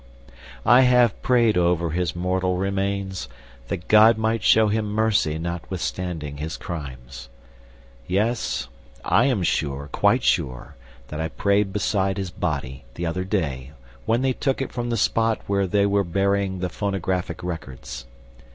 I have prayed over his mortal remains, that God might show him mercy notwithstanding his crimes. Yes, I am sure, quite sure that I prayed beside his body, the other day, when they took it from the spot where they were burying the phonographic records.